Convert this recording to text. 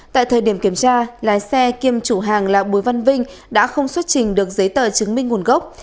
tại thời điểm kiểm tra lái xe kiêm chủ hàng là bùi văn vinh đã không xuất trình được giấy tờ chứng minh nguồn gốc